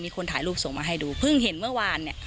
คนถ่ายรูปส่งมาให้ดูเพิ่งเห็นเมื่อวานเนี่ย